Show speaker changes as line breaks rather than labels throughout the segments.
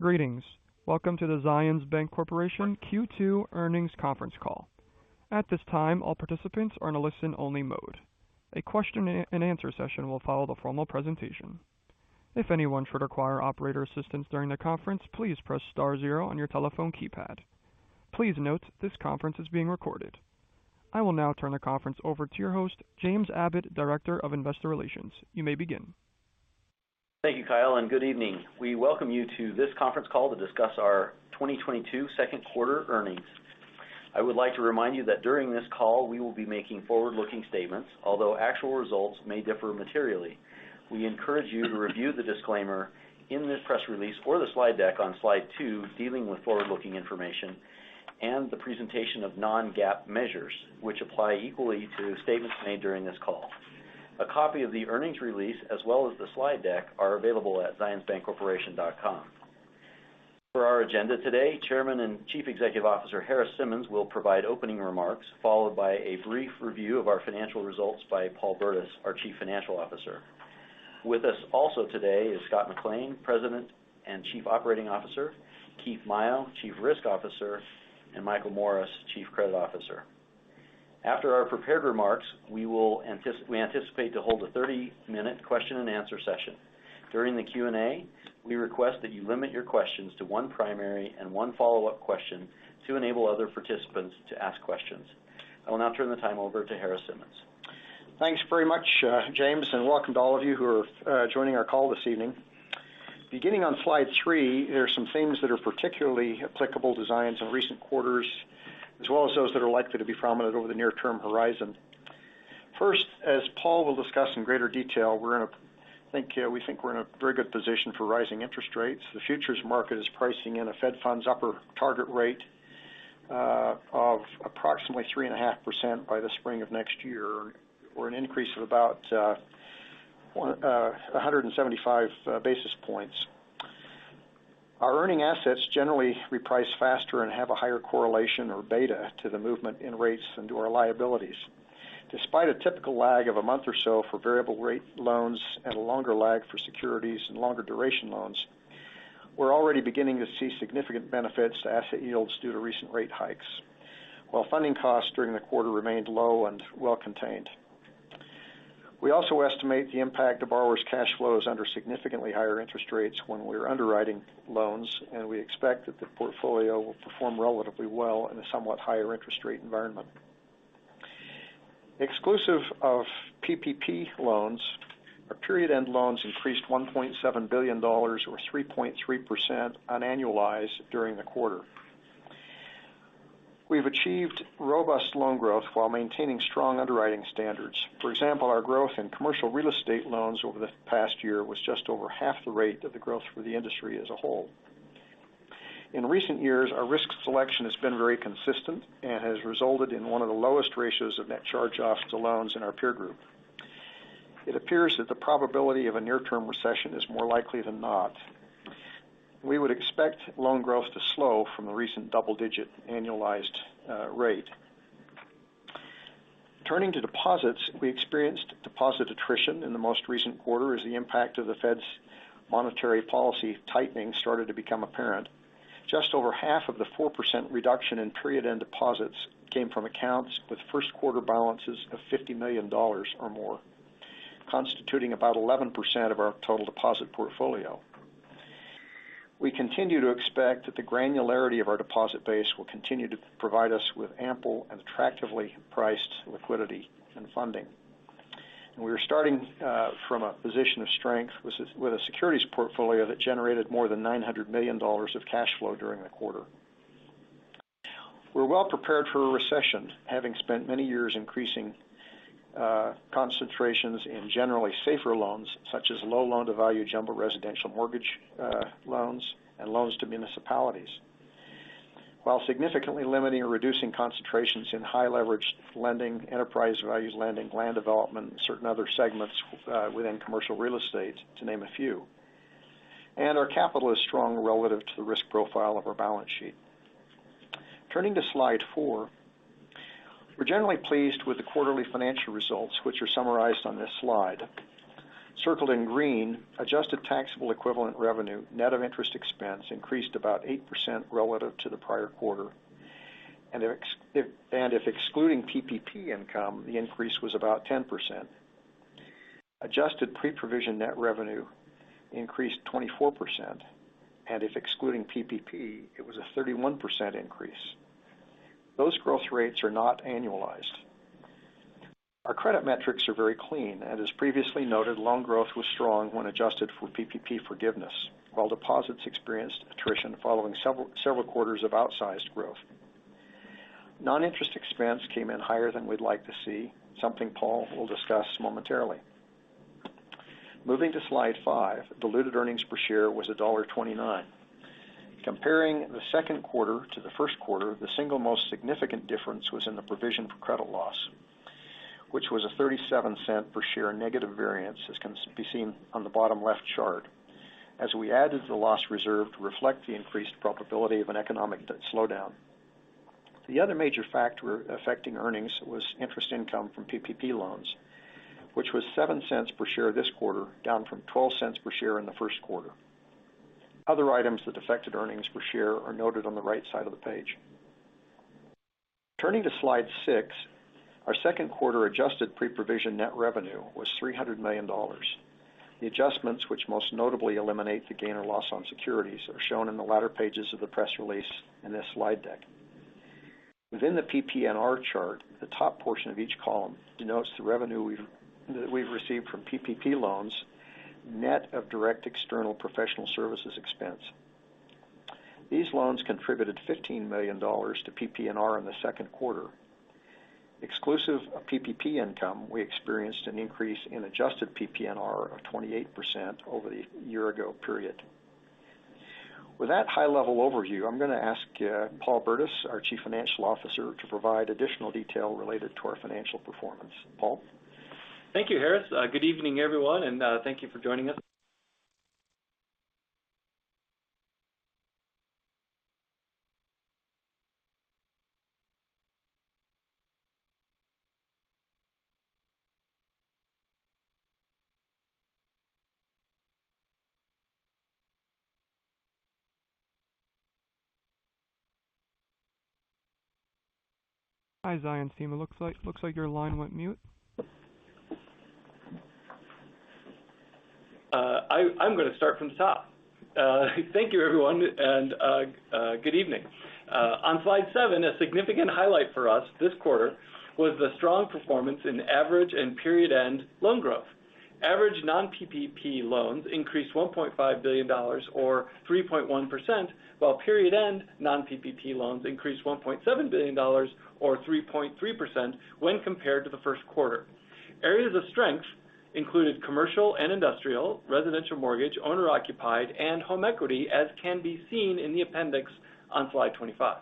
Greetings. Welcome to the Zions Bancorporation Q2 earnings conference call. At this time, all participants are in a listen-only mode. A question and answer session will follow the formal presentation. If anyone should require operator assistance during the conference, please press star zero on your telephone keypad. Please note this conference is being recorded. I will now turn the conference over to your host, James Abbott, Director of Investor Relations. You may begin.
Thank you, Kyle, and good evening. We welcome you to this conference call to discuss our 2022 second quarter earnings. I would like to remind you that during this call we will be making forward-looking statements, although actual results may differ materially. We encourage you to review the disclaimer in this press release or the slide deck on slide two, dealing with forward-looking information and the presentation of non-GAAP measures, which apply equally to statements made during this call. A copy of the earnings release, as well as the slide deck, are available at zionsbancorporation.com. For our agenda today, Chairman and Chief Executive Officer Harris Simmons will provide opening remarks, followed by a brief review of our financial results by Paul Burdiss, our Chief Financial Officer. With us also today is Scott McLean, President and Chief Operating Officer, Keith Maio, Chief Risk Officer, and Michael Morris, Chief Credit Officer. After our prepared remarks, we will anticipate to hold a 30-minute question and answer session. During the Q&A, we request that you limit your questions to one primary and one follow-up question to enable other participants to ask questions. I will now turn the time over to Harris Simmons.
Thanks very much, James, and welcome to all of you who are joining our call this evening. Beginning on slide three, there are some themes that are particularly applicable to Zions in recent quarters, as well as those that are likely to be prominent over the near-term horizon. First, as Paul will discuss in greater detail, we think we're in a very good position for rising interest rates. The futures market is pricing in a Fed funds upper target rate of approximately 3.5% by the spring of next year, or an increase of about one hundred and seventy-five basis points. Our earning assets generally reprice faster and have a higher correlation or beta to the movement in rates than do our liabilities. Despite a typical lag of a month or so for variable rate loans and a longer lag for securities and longer duration loans, we're already beginning to see significant benefits to asset yields due to recent rate hikes while funding costs during the quarter remained low and well contained. We also estimate the impact of borrowers' cash flows under significantly higher interest rates when we're underwriting loans, and we expect that the portfolio will perform relatively well in a somewhat higher interest rate environment. Exclusive of PPP loans, our period-end loans increased $1.7 billion or 3.3% annualized during the quarter. We've achieved robust loan growth while maintaining strong underwriting standards. For example, our growth in commercial real estate loans over the past year was just over half the rate of the growth for the industry as a whole. In recent years, our risk selection has been very consistent and has resulted in one of the lowest ratios of net charge-offs to loans in our peer group. It appears that the probability of a near-term recession is more likely than not. We would expect loan growth to slow from the recent double-digit annualized rate. Turning to deposits. We experienced deposit attrition in the most recent quarter as the impact of the Fed's monetary policy tightening started to become apparent. Just over half of the 4% reduction in period-end deposits came from accounts with first quarter balances of $50 million or more, constituting about 11% of our total deposit portfolio. We continue to expect that the granularity of our deposit base will continue to provide us with ample and attractively priced liquidity and funding. We are starting from a position of strength with a securities portfolio that generated more than $900 million of cash flow during the quarter. We're well prepared for a recession, having spent many years increasing concentrations in generally safer loans such as low loan-to-value jumbo residential mortgage loans and loans to municipalities, while significantly limiting or reducing concentrations in high-leveraged lending, enterprise values lending, land development, and certain other segments within commercial real estate, to name a few. Our capital is strong relative to the risk profile of our balance sheet. Turning to slide four. We're generally pleased with the quarterly financial results, which are summarized on this slide. Circled in green, adjusted taxable equivalent revenue, net of interest expense, increased about 8% relative to the prior quarter, and if excluding PPP income, the increase was about 10%. Adjusted pre-provision net revenue increased 24%, and if excluding PPP, it was a 31% increase. Those growth rates are not annualized. Our credit metrics are very clean, and as previously noted, loan growth was strong when adjusted for PPP forgiveness, while deposits experienced attrition following several quarters of outsized growth. Non-interest expense came in higher than we'd like to see, something Paul will discuss momentarily. Moving to slide five. Diluted earnings per share was $1.29. Comparing the second quarter to the first quarter, the single most significant difference was in the provision for credit loss, which was a $0.37 per share negative variance, as can be seen on the bottom left chart. We added the loss reserve to reflect the increased probability of an economic slowdown. The other major factor affecting earnings was interest income from PPP loans, which was $0.07 per share this quarter, down from $0.12 per share in the first quarter. Other items that affected earnings per share are noted on the right side of the page. Turning to slide six, our second quarter adjusted pre-provision net revenue was $300 million. The adjustments, which most notably eliminate the gain or loss on securities, are shown in the latter pages of the press release in this slide deck. Within the PPNR chart, the top portion of each column denotes the revenue we've received from PPP loans net of direct external professional services expense. These loans contributed $15 million to PPNR in the second quarter. Exclusive of PPP income, we experienced an increase in adjusted PPNR of 28% over the year-ago period. With that high-level overview, I'm going to ask Paul E. Burdiss, our Chief Financial Officer, to provide additional detail related to our financial performance. Paul?
Thank you, Harris. Good evening, everyone, and thank you for joining us.
Hi, Zions team. It looks like your line went mute.
I'm gonna start from the top. Thank you, everyone, and good evening. On slide seven, a significant highlight for us this quarter was the strong performance in average and period-end loan growth. Average non-PPP loans increased $1.5 billion or 3.1%, while period-end non-PPP loans increased $1.7 billion or 3.3% when compared to the first quarter. Areas of strength included commercial and industrial, residential mortgage, owner-occupied, and home equity, as can be seen in the appendix on slide 25.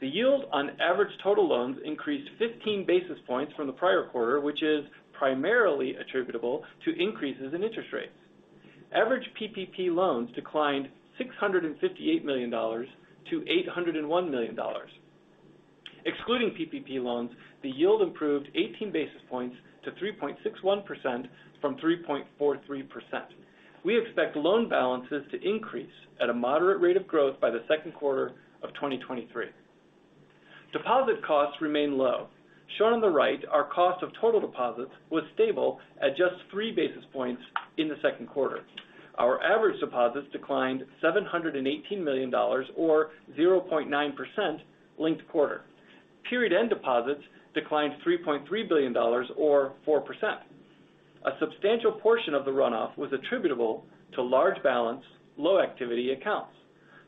The yield on average total loans increased 15 basis points from the prior quarter, which is primarily attributable to increases in interest rates. Average PPP loans declined $658 million to $801 million. Excluding PPP loans, the yield improved 18 basis points to 3.61% from 3.43%. We expect loan balances to increase at a moderate rate of growth by the second quarter of 2023. Deposit costs remain low. Shown on the right, our cost of total deposits was stable at just three basis points in the second quarter. Our average deposits declined $718 million or 0.9% linked quarter. Period end deposits declined $3.3 billion or 4%. A substantial portion of the runoff was attributable to large balance, low activity accounts.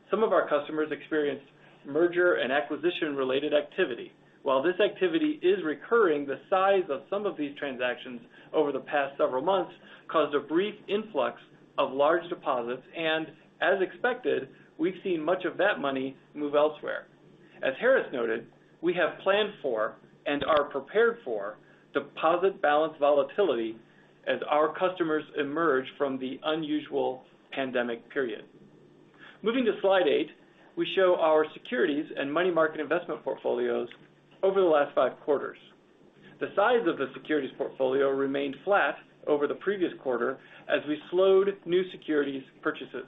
Some of our customers experienced merger and acquisition-related activity. While this activity is recurring, the size of some of these transactions over the past several months caused a brief influx of large deposits, and as expected, we've seen much of that money move elsewhere. As Harris noted, we have planned for and are prepared for deposit balance volatility as our customers emerge from the unusual pandemic period. Moving to slide eight, we show our securities and money market investment portfolios over the last five quarters. The size of the securities portfolio remained flat over the previous quarter as we slowed new securities purchases.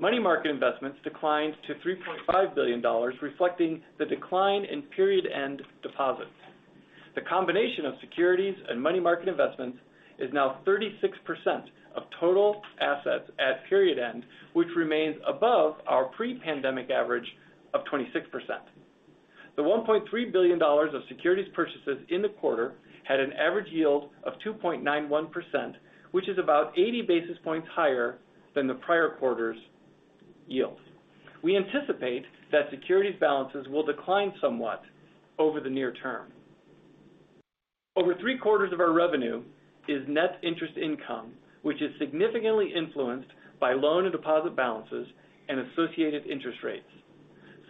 Money market investments declined to $3.5 billion, reflecting the decline in period end deposits. The combination of securities and money market investments is now 36% of total assets at period end, which remains above our pre-pandemic average of 26%. The $1.3 billion of securities purchases in the quarter had an average yield of 2.91%, which is about 80 basis points higher than the prior quarter's yield. We anticipate that securities balances will decline somewhat over the near term. Over three-quarters of our revenue is net interest income, which is significantly influenced by loan and deposit balances and associated interest rates.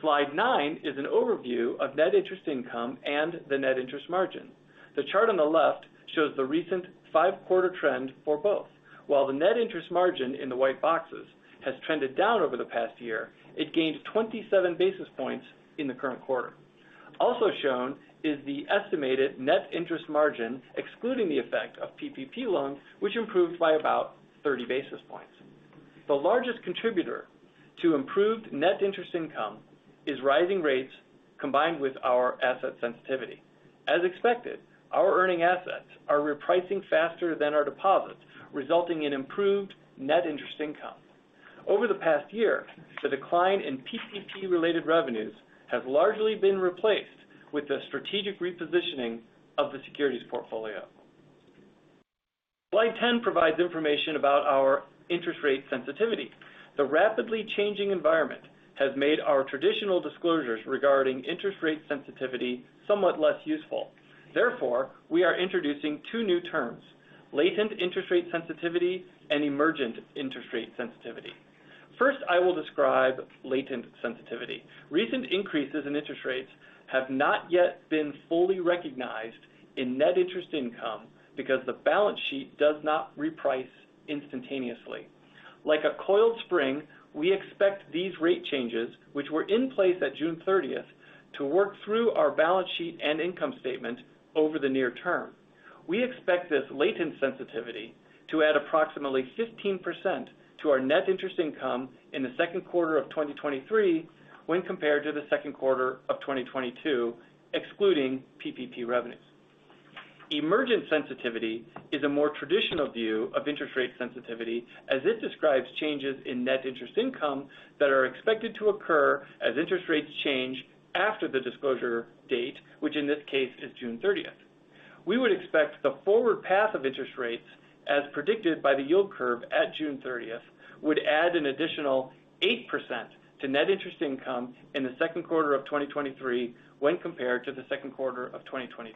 Slide nine is an overview of net interest income and the net interest margin. The chart on the left shows the recent five-quarter trend for both. While the net interest margin in the white boxes has trended down over the past year, it gained 27 basis points in the current quarter. Also shown is the estimated net interest margin, excluding the effect of PPP loans, which improved by about 30 basis points. The largest contributor to improved net interest income is rising rates combined with our asset sensitivity. As expected, our earning assets are repricing faster than our deposits, resulting in improved net interest income. Over the past year, the decline in PPP-related revenues have largely been replaced with the strategic repositioning of the securities portfolio. Slide 10 provides information about our interest rate sensitivity. The rapidly changing environment has made our traditional disclosures regarding interest rate sensitivity somewhat less useful. Therefore, we are introducing two new terms, latent interest rate sensitivity and emergent interest rate sensitivity. First, I will describe latent sensitivity. Recent increases in interest rates have not yet been fully recognized in net interest income because the balance sheet does not reprice instantaneously. Like a coiled spring, we expect these rate changes, which were in place at June 30th, to work through our balance sheet and income statement over the near term. We expect this latent sensitivity to add approximately 15% to our net interest income in the second quarter of 2023 when compared to the second quarter of 2022, excluding PPP revenues. Emergent sensitivity is a more traditional view of interest rate sensitivity as it describes changes in net interest income that are expected to occur as interest rates change after the disclosure date, which in this case is June 30th. We would expect the forward path of interest rates as predicted by the yield curve at June 30th would add an additional 8% to net interest income in the second quarter of 2023 when compared to the second quarter of 2022.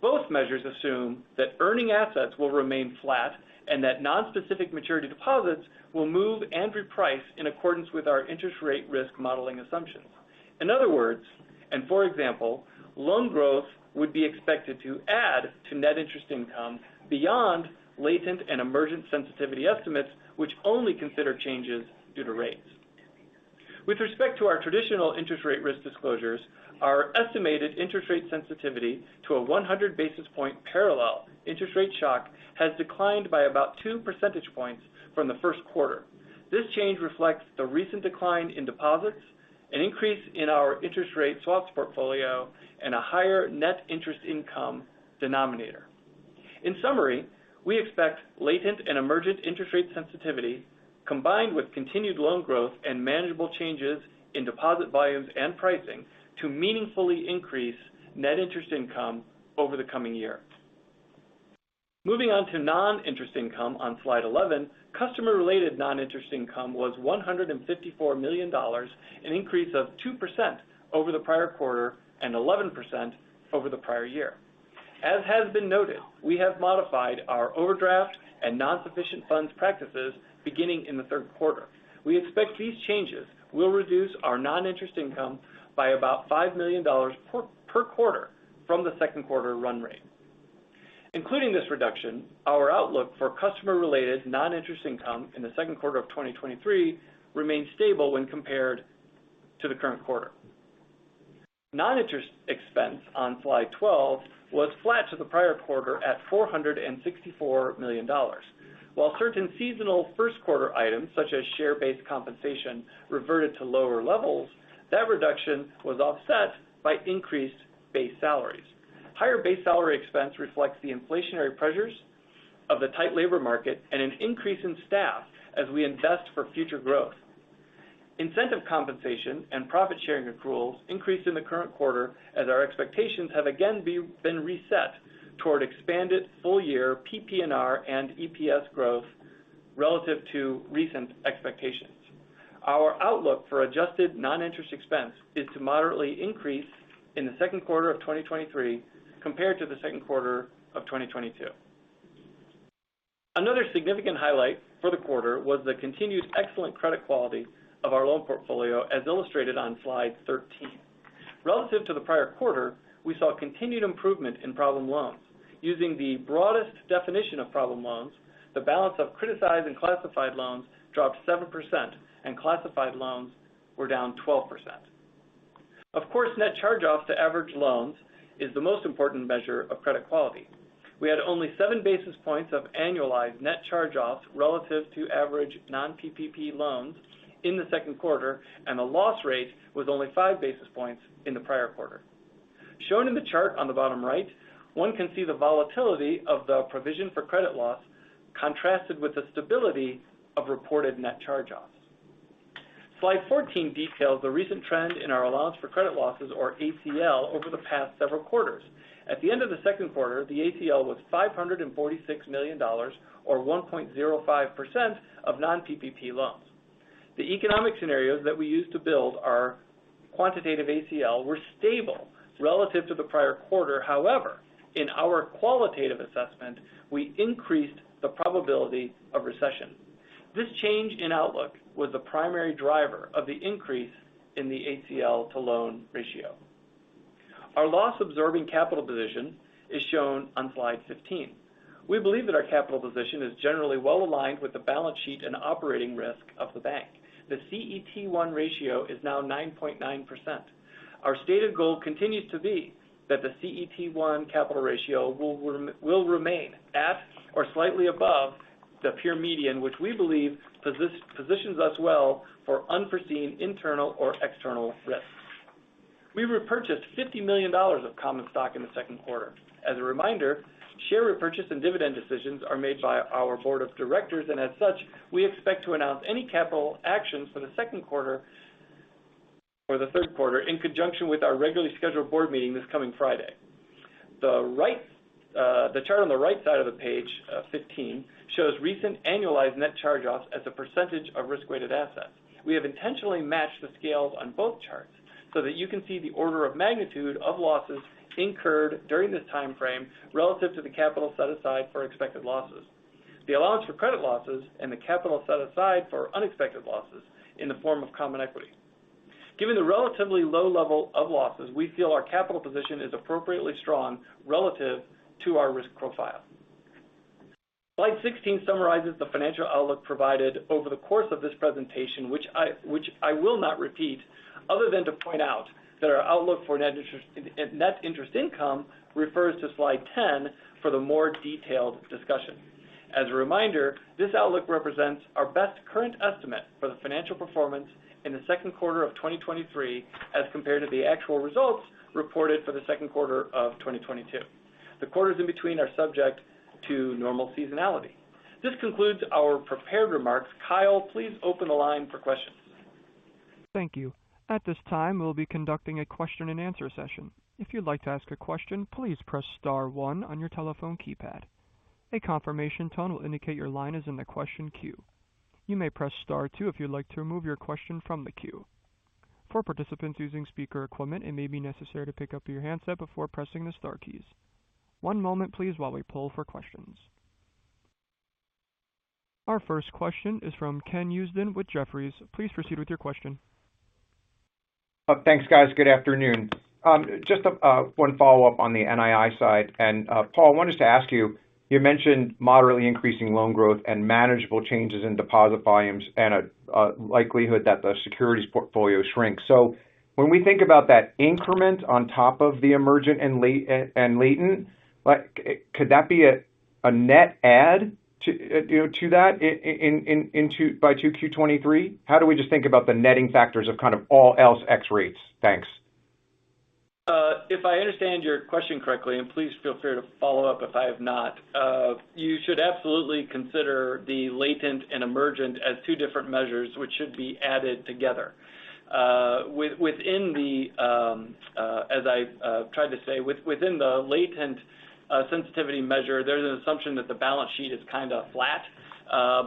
Both measures assume that earning assets will remain flat and that nonspecific maturity deposits will move and reprice in accordance with our interest rate risk modeling assumptions. In other words, and for example, loan growth would be expected to add to net interest income beyond latent and emergent sensitivity estimates which only consider changes due to rates. With respect to our traditional interest rate risk disclosures, our estimated interest rate sensitivity to a 100 basis point parallel interest rate shock has declined by about two percentage points from the first quarter. This change reflects the recent decline in deposits, an increase in our interest rate swaps portfolio, and a higher net interest income denominator. In summary, we expect latent and emergent interest rate sensitivity combined with continued loan growth and manageable changes in deposit volumes and pricing to meaningfully increase net interest income over the coming year. Moving on to non-interest income on slide 11. Customer related non-interest income was $154 million, an increase of 2% over the prior quarter and 11% over the prior year. As has been noted, we have modified our overdraft and nonsufficient funds practices beginning in the third quarter. We expect these changes will reduce our non-interest income by about $5 million per quarter from the second quarter run rate. Including this reduction, our outlook for customer related non-interest income in the second quarter of 2023 remains stable when compared to the current quarter. Non-interest expense on slide 12 was flat to the prior quarter at $464 million. While certain seasonal first quarter items such as share-based compensation reverted to lower levels, that reduction was offset by increased base salaries. Higher base salary expense reflects the inflationary pressures of the tight labor market and an increase in staff as we invest for future growth. Incentive compensation and profit sharing accruals increased in the current quarter as our expectations have again been reset toward expanded full year PPNR and EPS growth relative to recent expectations. Our outlook for adjusted non-interest expense is to moderately increase in the second quarter of 2023 compared to the second quarter of 2022. Another significant highlight for the quarter was the continued excellent credit quality of our loan portfolio, as illustrated on slide 13. Relative to the prior quarter, we saw continued improvement in problem loans. Using the broadest definition of problem loans, the balance of criticized and classified loans dropped 7% and classified loans were down 12%. Of course, net charge-offs to average loans is the most important measure of credit quality. We had only seven basis points of annualized net charge-offs relative to average non-PPP loans in the second quarter, and the loss rate was only five basis points in the prior quarter. Shown in the chart on the bottom right, one can see the volatility of the provision for credit loss contrasted with the stability of reported net charge-offs. Slide 14 details the recent trend in our allowance for credit losses, or ACL, over the past several quarters. At the end of the second quarter, the ACL was $546 million, or 1.05% of non-PPP loans. The economic scenarios that we use to build our quantitative ACL were stable relative to the prior quarter. However, in our qualitative assessment, we increased the probability of recession. This change in outlook was the primary driver of the increase in the ACL to loan ratio. Our loss absorbing capital position is shown on Slide 15. We believe that our capital position is generally well aligned with the balance sheet and operating risk of the bank. The CET1 ratio is now 9.9%. Our stated goal continues to be that the CET1 capital ratio will remain at or slightly above the peer median, which we believe positions us well for unforeseen internal or external risks. We repurchased $50 million of common stock in the second quarter. As a reminder, share repurchase and dividend decisions are made by our board of directors and as such, we expect to announce any capital actions for the second quarter or the third quarter in conjunction with our regularly scheduled board meeting this coming Friday. The chart on the right side of the page 15 shows recent annualized net charge-offs as a percentage of risk weighted assets. We have intentionally matched the scales on both charts so that you can see the order of magnitude of losses incurred during this time frame relative to the capital set aside for expected losses. The allowance for credit losses and the capital set aside for unexpected losses in the form of common equity. Given the relatively low level of losses, we feel our capital position is appropriately strong relative to our risk profile. Slide 16 summarizes the financial outlook provided over the course of this presentation, which I will not repeat other than to point out that our outlook for net interest income refers to slide 10 for the more detailed discussion. As a reminder, this outlook represents our best current estimate for the financial performance in the second quarter of 2023 as compared to the actual results reported for the second quarter of 2022. The quarters in between are subject to normal seasonality. This concludes our prepared remarks. Kyle, please open the line for questions.
Thank you. At this time, we'll be conducting a question and answer session. If you'd like to ask a question, please press star one on your telephone keypad. A confirmation tone will indicate your line is in the question queue. You may press star two if you'd like to remove your question from the queue. For participants using speaker equipment, it may be necessary to pick up your handset before pressing the star keys. One moment please while we poll for questions. Our first question is from Ken Usdin with Jefferies. Please proceed with your question.
Thanks, guys. Good afternoon. Just one follow-up on the NII side. Paul, I wanted to ask you mentioned moderately increasing loan growth and manageable changes in deposit volumes and a likelihood that the securities portfolio shrinks. When we think about that increment on top of the emergent and latent, like, could that be a net add to, you know, to that in 2Q 2023? How do we just think about the netting factors of kind of all else ex rates? Thanks.
If I understand your question correctly, and please feel free to follow up if I have not. You should absolutely consider the latent and emergent as two different measures which should be added together. Within the, as I tried to say, within the latent sensitivity measure, there's an assumption that the balance sheet is kind of flat,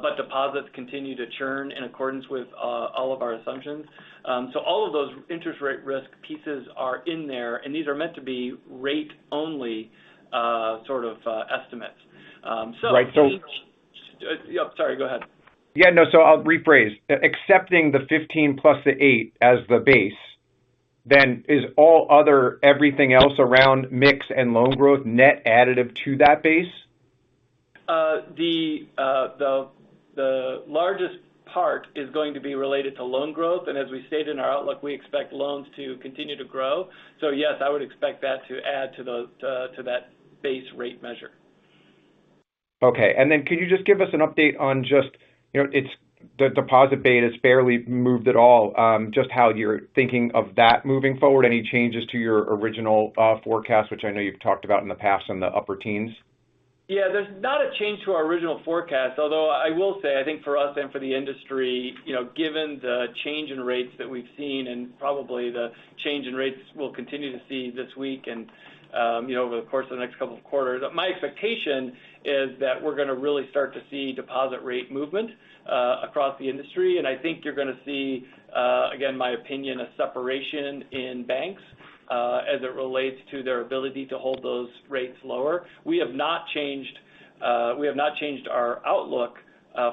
but deposits continue to churn in accordance with all of our assumptions. All of those interest rate risk pieces are in there, and these are meant to be rate only, sort of, estimates.
Right.
Yeah. Sorry. Go ahead.
Yeah, no. I'll rephrase. Accepting the 15+ the eight as the base, then is all other everything else around mix and loan growth net additive to that base?
The largest part is going to be related to loan growth, and as we stated in our outlook, we expect loans to continue to grow. Yes, I would expect that to add to those, to that base rate measure.
Okay. Could you just give us an update on just, you know, the deposit beta's barely moved at all, just how you're thinking of that moving forward. Any changes to your original forecast, which I know you've talked about in the past on the upper teens?
Yeah, there's not a change to our original forecast, although I will say I think for us and for the industry, you know, given the change in rates that we've seen, and probably the change in rates we'll continue to see this week and, you know, over the course of the next couple of quarters. My expectation is that we're gonna really start to see deposit rate movement across the industry. I think you're gonna see, again, my opinion, a separation in banks as it relates to their ability to hold those rates lower. We have not changed our outlook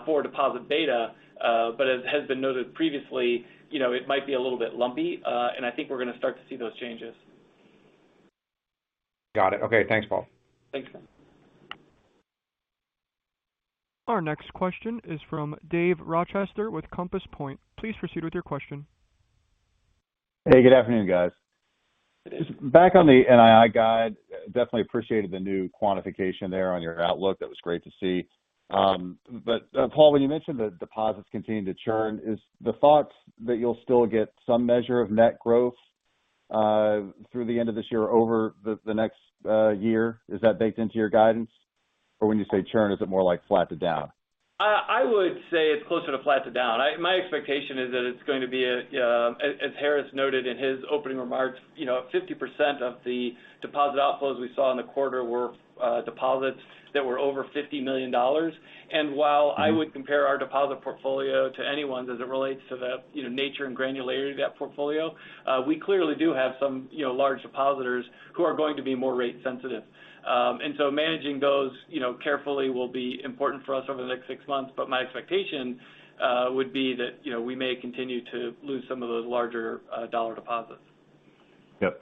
for deposit beta, but as has been noted previously, you know, it might be a little bit lumpy. I think we're gonna start to see those changes.
Got it. Okay. Thanks, Paul.
Thanks.
Our next question is from Dave Rochester with Compass Point. Please proceed with your question.
Hey, good afternoon, guys. Back on the NII guide, definitely appreciated the new quantification there on your outlook. That was great to see. Paul, when you mentioned that deposits continue to churn, is the thought that you'll still get some measure of net growth through the end of this year over the next year, is that baked into your guidance? Or when you say churn, is it more like flat to down?
I would say it's closer to flat to down. My expectation is that it's going to be, as Harris noted in his opening remarks, you know, 50% of the deposit outflows we saw in the quarter were deposits that were over $50 million. While I would compare our deposit portfolio to anyone as it relates to the, you know, nature and granularity of that portfolio, we clearly do have some, you know, large depositors who are going to be more rate sensitive. Managing those, you know, carefully will be important for us over the next six months. My expectation would be that, you know, we may continue to lose some of those larger dollar deposits.
Yep.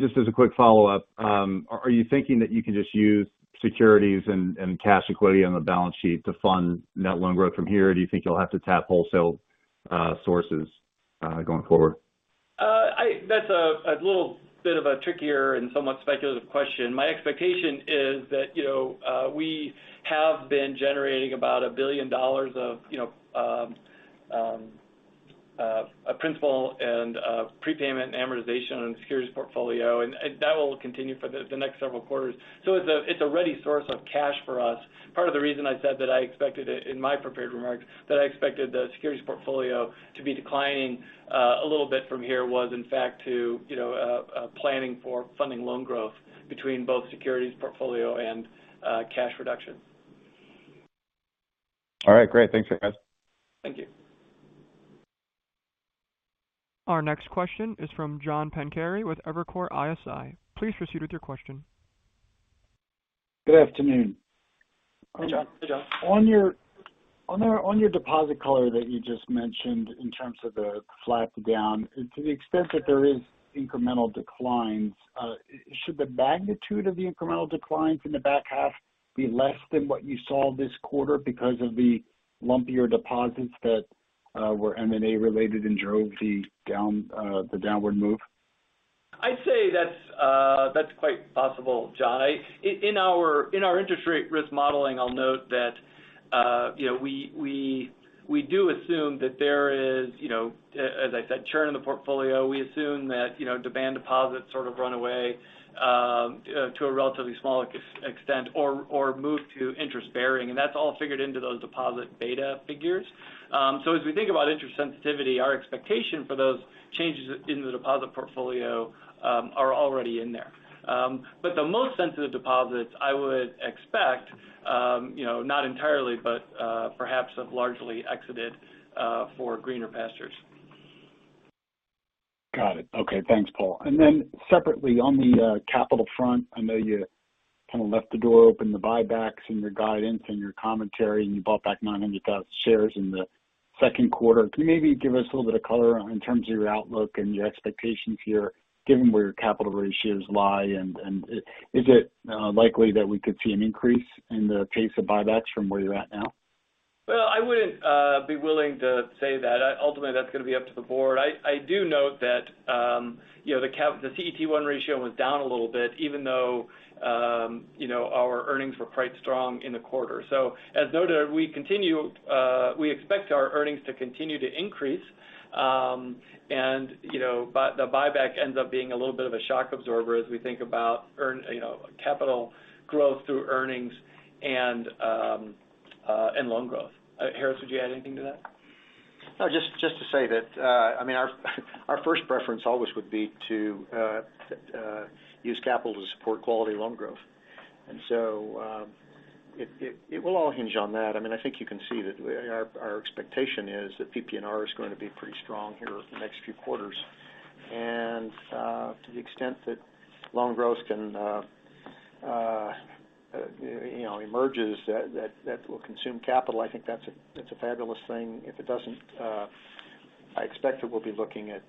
Just as a quick follow-up, are you thinking that you can just use securities and cash equity on the balance sheet to fund net loan growth from here, or do you think you'll have to tap wholesale sources going forward?
That's a little bit of a trickier and somewhat speculative question. My expectation is that, you know, we have been generating about $1 billion of principal and prepayment and amortization on securities portfolio, and that will continue for the next several quarters. It's a ready source of cash for us. Part of the reason I said that I expected it in my prepared remarks, that I expected the securities portfolio to be declining a little bit from here was in fact to, you know, planning for funding loan growth between both securities portfolio and cash reduction.
All right. Great. Thanks, guys.
Thank you.
Our next question is from John Pancari with Evercore ISI. Please proceed with your question.
Good afternoon.
Hey, John.
On your deposit color that you just mentioned in terms of the drop down to the extent that there is incremental declines, should the magnitude of the incremental declines in the back half be less than what you saw this quarter because of the lumpier deposits that were M&A related and drove the downward move?
I'd say that's quite possible, John. In our interest rate risk modeling, I'll note that you know, we do assume that there is you know, as I said, churn in the portfolio. We assume that you know, demand deposits sort of run away to a relatively small extent or move to interest bearing. That's all figured into those deposit beta figures. As we think about interest sensitivity, our expectation for those changes in the deposit portfolio are already in there. The most sensitive deposits I would expect you know, not entirely, but perhaps have largely exited for greener pastures.
Got it. Okay, thanks, Paul. Separately, on the capital front, I know you kind of left the door open the buybacks in your guidance and your commentary, and you bought back 900,000 shares in the second quarter. Can you maybe give us a little bit of color in terms of your outlook and your expectations here, given where your capital ratios lie? Is it likely that we could see an increase in the pace of buybacks from where you're at now?
Well, I wouldn't be willing to say that. Ultimately, that's going to be up to the board. I do note that, you know, the CET1 ratio was down a little bit, even though, you know, our earnings were quite strong in the quarter. As noted, we expect our earnings to continue to increase. You know, the buyback ends up being a little bit of a shock absorber as we think about, you know, capital growth through earnings and loan growth. Harris, would you add anything to that?
No, just to say that, I mean, our first preference always would be to use capital to support quality loan growth. It will all hinge on that. I mean, I think you can see that our expectation is that PPNR is going to be pretty strong here the next few quarters. To the extent that loan growth can, you know, emerge that will consume capital, I think that's a fabulous thing. If it doesn't, I expect that we'll be looking at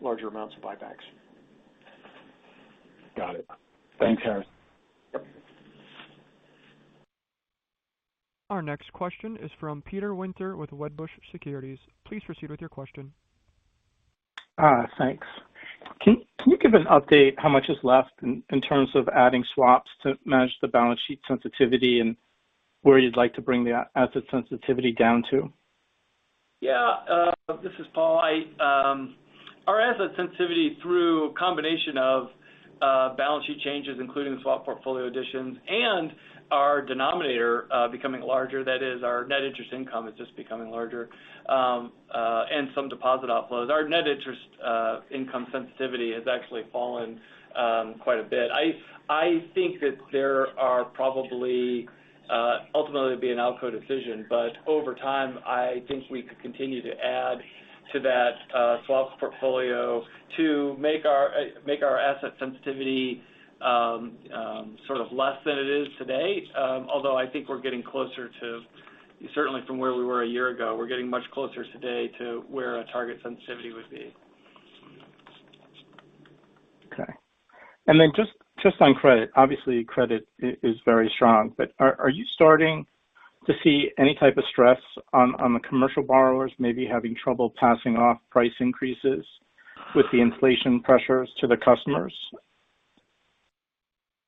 larger amounts of buybacks.
Got it. Thanks, Harris.
Our next question is from Peter Winter with Wedbush Securities. Please proceed with your question.
Thanks. Can you give an update how much is left in terms of adding swaps to manage the balance sheet sensitivity and where you'd like to bring the asset sensitivity down to?
Yeah, this is Paul. Our asset sensitivity through a combination of balance sheet changes, including the swap portfolio additions and our denominator becoming larger, that is our net interest income is just becoming larger, and some deposit outflows. Our net interest income sensitivity has actually fallen quite a bit. I think that there will probably ultimately be an ALCO decision, but over time, I think we could continue to add to that swap portfolio to make our asset sensitivity sort of less than it is today. Although I think we're getting closer, certainly from where we were a year ago, we're getting much closer today to where our target sensitivity would be.
Okay. Just on credit. Obviously, credit is very strong, but are you starting to see any type of stress on the commercial borrowers maybe having trouble passing on price increases with the inflation pressures to the customers?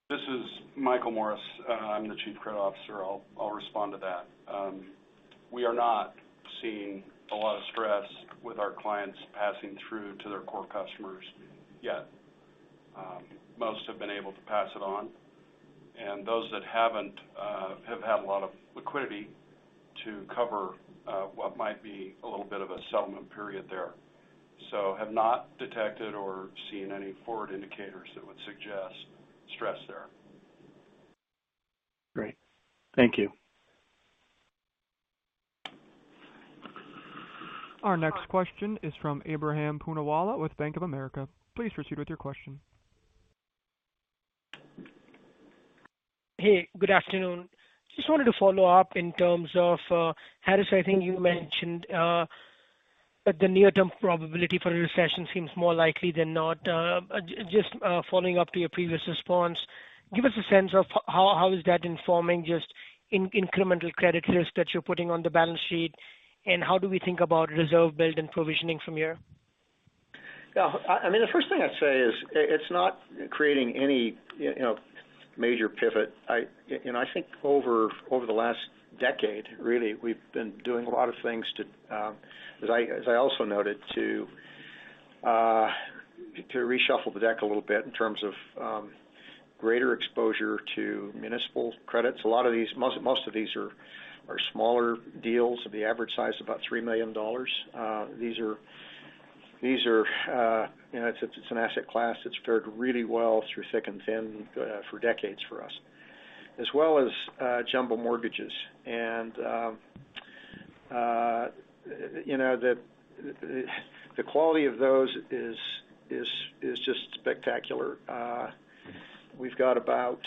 This is Michael Morris. I'm the Chief Credit Officer. I'll respond to that. We are not seeing a lot of stress with our clients passing through to their core customers yet. Most have been able to pass it on, and those that haven't have had a lot of liquidity to cover what might be a little bit of a settlement period there. Have not detected or seen any forward indicators that would suggest stress there.
Great. Thank you.
Our next question is from Ebrahim Poonawala with Bank of America. Please proceed with your question.
Hey, good afternoon. Just wanted to follow up in terms of, Harris, I think you mentioned that the near-term probability for a recession seems more likely than not. Just following up to your previous response, give us a sense of how is that informing just incremental credit risk that you're putting on the balance sheet, and how do we think about reserve build and provisioning from here?
Yeah. I mean, the first thing I'd say is it's not creating any, you know, major pivot. I, you know, I think over the last decade, really, we've been doing a lot of things to, as I also noted, to reshuffle the deck a little bit in terms of greater exposure to municipal credits. A lot of these, most of these are smaller deals of the average size, about $3 million. These are, you know, it's an asset class that's fared really well through thick and thin, for decades for us. As well as jumbo mortgages. You know, the quality of those is just spectacular. We've got about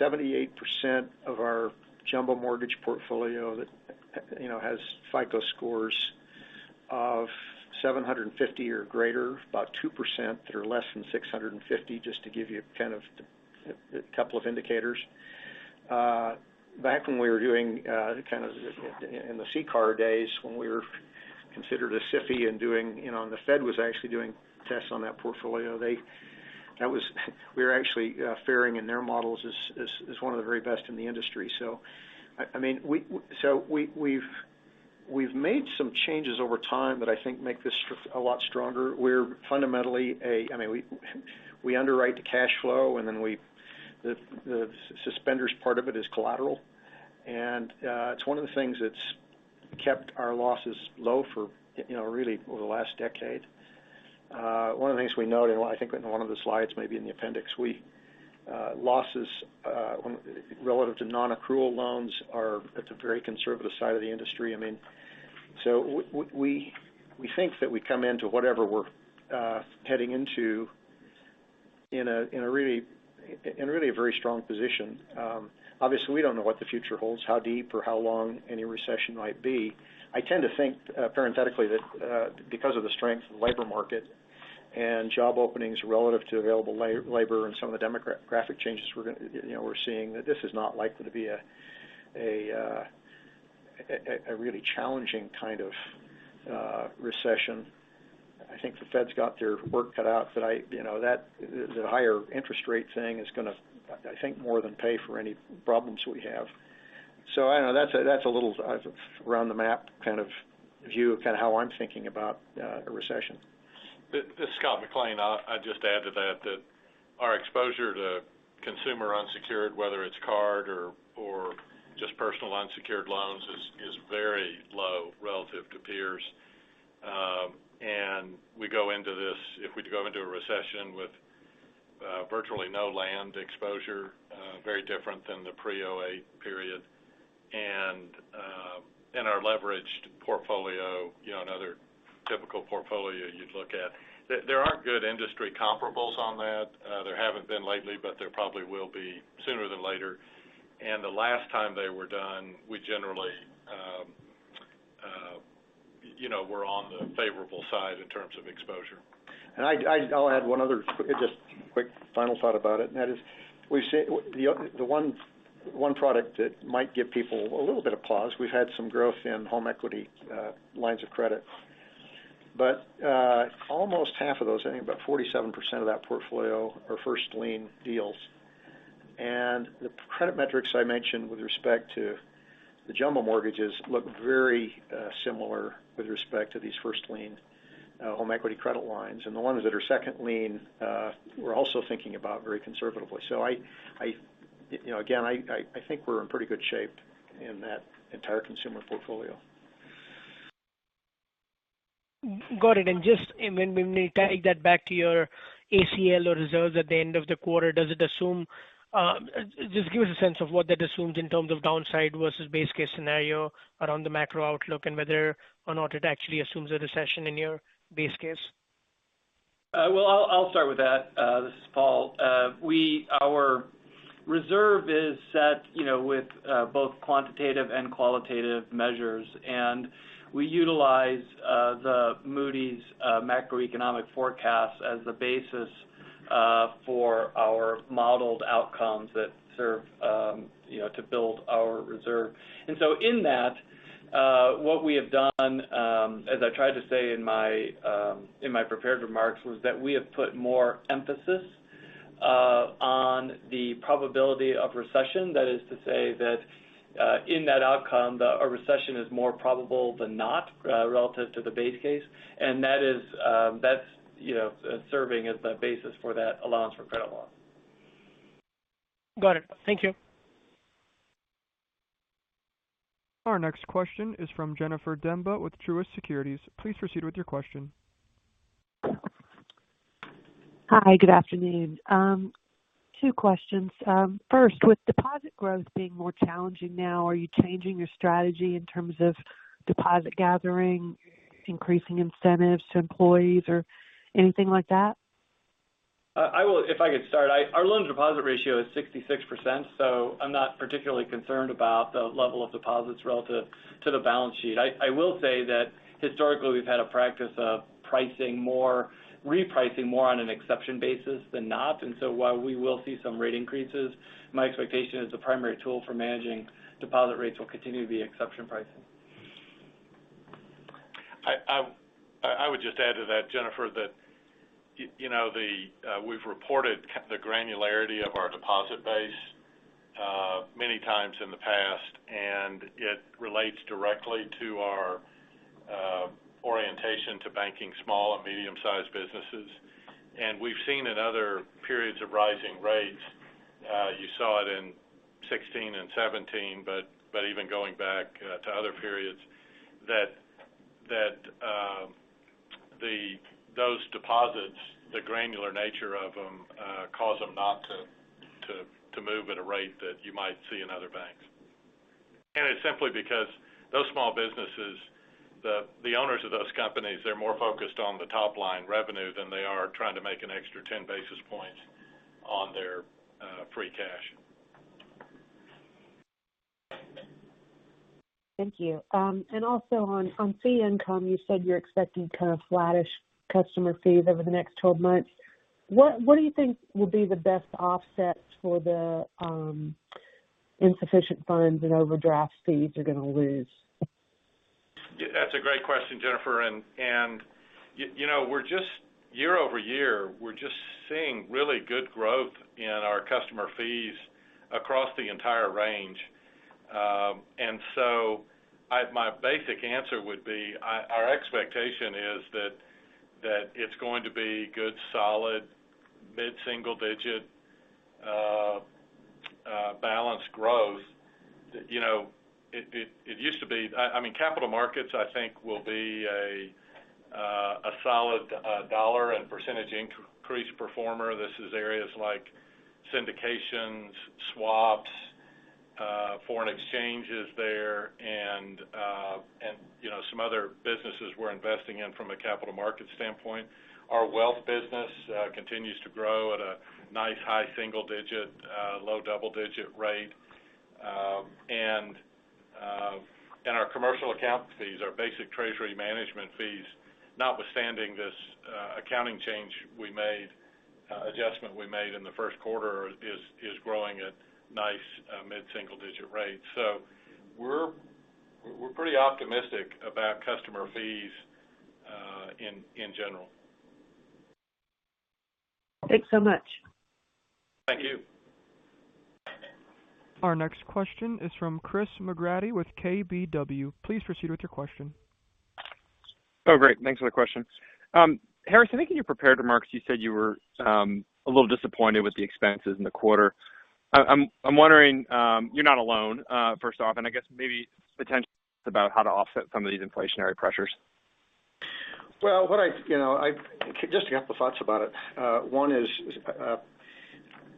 78% of our jumbo mortgage portfolio that, you know, has FICO scores of 750 or greater, about 2% that are less than 650, just to give you kind of a couple of indicators. Back when we were doing kind of in the CCAR days when we were considered a SIFI and doing, you know, and the Fed was actually doing tests on that portfolio, we were actually faring in their models as one of the very best in the industry. I mean, we've made some changes over time that I think make this a lot stronger. We're fundamentally a... I mean, we underwrite the cash flow, and then the suspenders part of it is collateral. It's one of the things that's kept our losses low for, you know, really over the last decade. One of the things we noted, I think in one of the slides, maybe in the appendix, losses relative to non-accrual loans are at the very conservative side of the industry. I mean, we think that we come into whatever we're heading into in really a very strong position. Obviously, we don't know what the future holds, how deep or how long any recession might be. I tend to think, parenthetically, that because of the strength of the labor market and job openings relative to available labor and some of the demographic changes we're you know, we're seeing, that this is not likely to be a really challenging kind of recession. I think the Fed's got their work cut out, but you know that the higher interest rate thing is gonna, I think, more than pay for any problems we have. I don't know. That's a little around the map kind of view of kind of how I'm thinking about a recession.
This is Scott McLean. I'd just add to that our exposure to consumer unsecured, whether it's card or just personal unsecured loans, is very low relative to peers. We go into this if we go into a recession with virtually no land exposure, very different than the pre-2008 period. In our leveraged portfolio, you know, another typical portfolio you'd look at. There aren't good industry comparables on that. There haven't been lately, but there probably will be sooner than later. The last time they were done, we generally, you know, were on the favorable side in terms of exposure.
I'll add one other just quick final thought about it, and that is, we've seen the one product that might give people a little bit of pause. We've had some growth in home equity lines of credit. Almost half of those, I think about 47% of that portfolio, are first lien deals. The credit metrics I mentioned with respect to the jumbo mortgages look very similar with respect to these first lien home equity credit lines. The ones that are second lien, we're also thinking about very conservatively. You know, again, I think we're in pretty good shape in that entire consumer portfolio.
Got it. When we take that back to your ACL or reserves at the end of the quarter, does it assume? Just give us a sense of what that assumes in terms of downside versus base case scenario around the macro outlook and whether or not it actually assumes a recession in your base case.
Well, I'll start with that. This is Paul. Our reserve is set, you know, with both quantitative and qualitative measures. We utilize the Moody's macroeconomic forecast as the basis for our modeled outcomes that serve, you know, to build our reserve. In that, what we have done, as I tried to say in my prepared remarks, was that we have put more emphasis on the probability of recession. That is to say that, in that outcome, a recession is more probable than not, relative to the base case. That is, you know, serving as the basis for that allowance for credit loss.
Got it. Thank you.
Our next question is from Jennifer Demba with Truist Securities. Please proceed with your question.
Hi, good afternoon. Two questions. First, with deposit growth being more challenging now, are you changing your strategy in terms of deposit gathering, increasing incentives to employees or anything like that?
If I could start. Our loan-to-deposit ratio is 66%, so I'm not particularly concerned about the level of deposits relative to the balance sheet. I will say that historically, we've had a practice of repricing more on an exception basis than not. While we will see some rate increases, my expectation is the primary tool for managing deposit rates will continue to be exception pricing.
I would just add to that, Jennifer, that, you know, we've reported the granularity of our deposit base many times in the past, and it relates directly to our orientation to banking small and medium-sized businesses. We've seen in other periods of rising rates, you saw it in 2016 and 2017, but even going back to other periods, that the granular nature of them cause them not to move at a rate that you might see in other banks. It's simply because those small businesses, the owners of those companies, they're more focused on the top-line revenue than they are trying to make an extra 10 basis points on their free cash.
Thank you. Also on fee income, you said you're expecting kind of flattish customer fees over the next 12 months. What do you think will be the best offset for the insufficient funds and overdraft fees you're gonna lose?
That's a great question, Jennifer. You know, we're year-over-year seeing really good growth in our customer fees across the entire range. My basic answer would be our expectation is that it's going to be good, solid, mid-single-digit balanced growth. You know, I mean, capital markets, I think, will be a solid dollar and percentage increase performer. This is areas like syndications, swaps, foreign exchanges there and, you know, some other businesses we're investing in from a capital market standpoint. Our wealth business continues to grow at a nice high-single-digit, low-double-digit rate. Our commercial account fees, our basic treasury management fees, notwithstanding this adjustment we made in the first quarter, is growing at nice mid-single digit rates. We're pretty optimistic about customer fees in general.
Thanks so much.
Thank you.
Our next question is from Chris McGratty with KBW. Please proceed with your question.
Oh, great. Thanks for the question. Harris, I think in your prepared remarks, you said you were a little disappointed with the expenses in the quarter. I'm wondering, you're not alone, first off, and I guess maybe potentially about how to offset some of these inflationary pressures.
Well, you know, I've just got the thoughts about it. One is,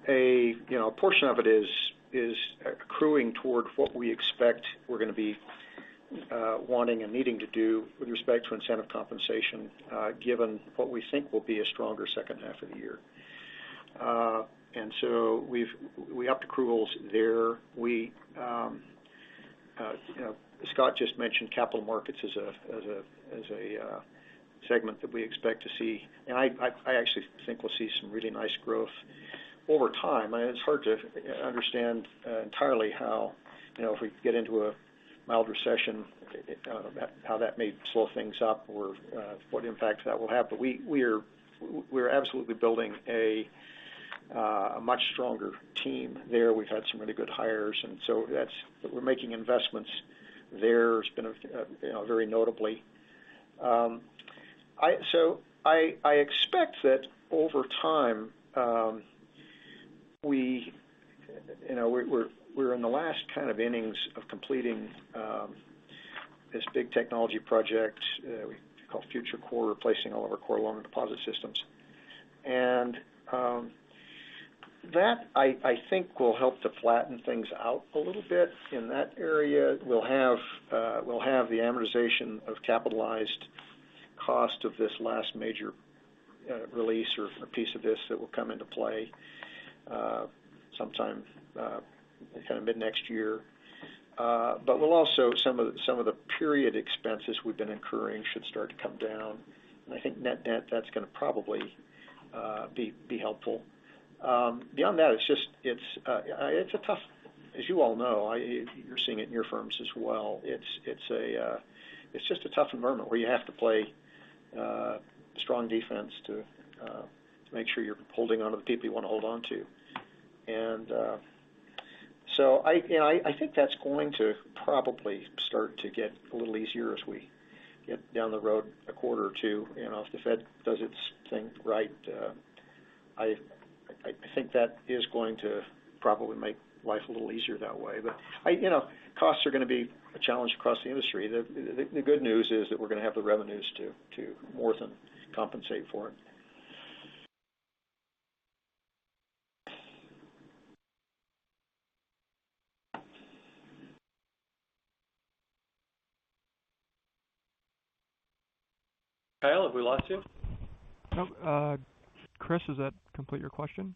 you know, a portion of it is accruing toward what we expect we're going to be wanting and needing to do with respect to incentive compensation, given what we think will be a stronger second half of the year. We've upped accruals there. You know, Scott just mentioned capital markets as a segment that we expect to see. I actually think we'll see some really nice growth over time. It's hard to understand entirely how, you know, if we get into a mild recession, how that may slow things up or what impact that will have. We're absolutely building a much stronger team there. We've had some really good hires, and so that's. We're making investments there. It's been you know very notable. I expect that over time we you know we're in the last kind of innings of completing this big technology project we call Future Core replacing all of our core loan deposit systems. That I think will help to flatten things out a little bit in that area. We'll have the amortization of capitalized cost of this last major release or piece of this that will come into play sometime kind of mid-next year. We'll also some of the period expenses we've been incurring should start to come down. I think net-net that's going to probably be helpful. Beyond that, it's just a tough, as you all know, you're seeing it in your firms as well. It's just a tough environment where you have to play strong defense to make sure you're holding onto the people you want to hold on to. You know, I think that's going to probably start to get a little easier as we get down the road a quarter or two. You know, if the Fed does its thing right, I think that is going to probably make life a little easier that way. You know, costs are going to be a challenge across the industry. The good news is that we're going to have the revenues to more than compensate for it.
Kyle, have we lost you?
No. Chris, does that complete your question?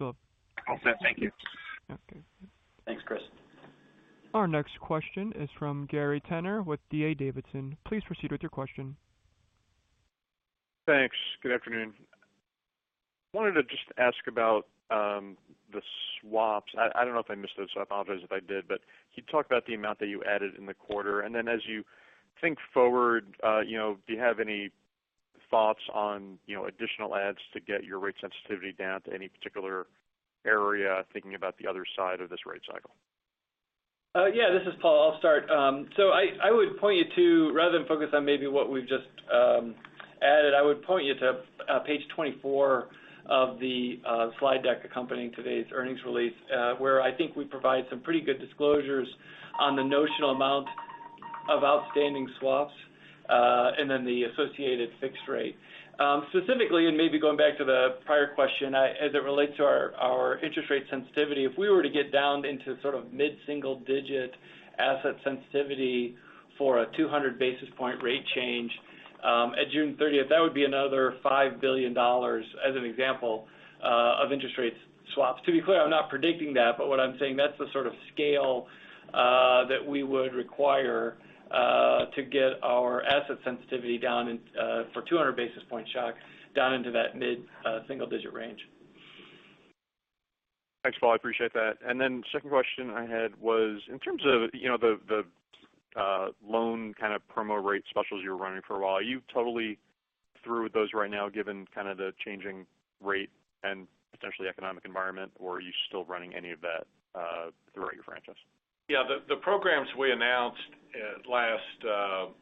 All set. Thank you.
Okay.
Thanks, Chris.
Our next question is from Gary Tenner with D.A. Davidson. Please proceed with your question.
Thanks. Good afternoon. I wanted to just ask about the swaps. I don't know if I missed this, so I apologize if I did. Can you talk about the amount that you added in the quarter? As you think forward, you know, do you have any thoughts on, you know, additional adds to get your rate sensitivity down to any particular area, thinking about the other side of this rate cycle?
Yeah, this is Paul. I'll start. I would point you to, rather than focus on maybe what we've just added, I would point you to page 24 of the slide deck accompanying today's earnings release, where I think we provide some pretty good disclosures on the notional amount. Of outstanding swaps and then the associated fixed rate. Specifically, maybe going back to the prior question, as it relates to our interest rate sensitivity, if we were to get down into sort of mid-single digit asset sensitivity for a 200 basis point rate change, at June 30th, that would be another $5 billion as an example of interest rate swaps. To be clear, I'm not predicting that, but what I'm saying, that's the sort of scale that we would require to get our asset sensitivity down in for 200 basis point shock, down into that mid single digit range.
Thanks, Paul. I appreciate that. Then second question I had was, in terms of, you know, the loan kind of promo rate specials you were running for a while, are you totally through with those right now given kind of the changing rate and potentially economic environment, or are you still running any of that throughout your franchise?
Yeah. The programs we announced last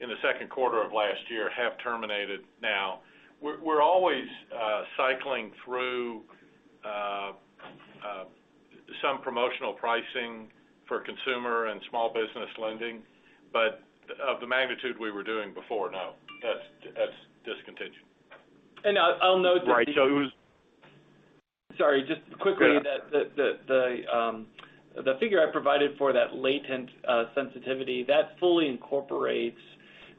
in the second quarter of last year have terminated now. We're always cycling through some promotional pricing for consumer and small business lending. Of the magnitude we were doing before, no, that's discontinued.
I'll note that.
Right. It was.
Sorry, just quickly.
Go ahead.
The figure I provided for that latent sensitivity that fully incorporates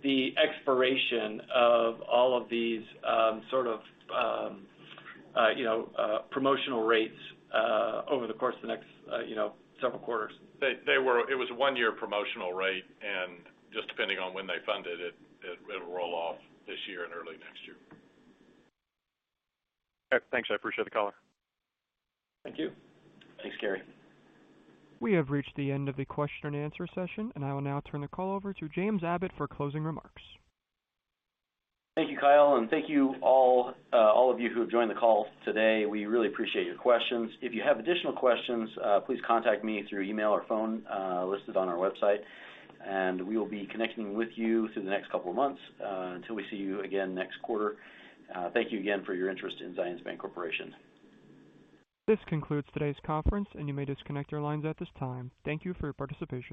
the expiration of all of these sort of you know promotional rates over the course of the next you know several quarters.
It was a one-year promotional rate, and just depending on when they funded it'll roll off this year and early next year.
Okay. Thanks. I appreciate the color.
Thank you.
Thanks, Gary.
We have reached the end of the question and answer session, and I will now turn the call over to James Abbott for closing remarks.
Thank you, Kyle, and thank you all of you who have joined the call today. We really appreciate your questions. If you have additional questions, please contact me through email or phone, listed on our website, and we will be connecting with you through the next couple of months, until we see you again next quarter. Thank you again for your interest in Zions Bancorporation.
This concludes today's conference, and you may disconnect your lines at this time. Thank you for your participation.